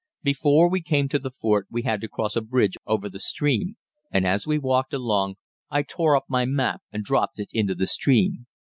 Before we came to the fort we had to cross a bridge over the stream; and, as we walked along, I tore up my map and dropped it into the stream.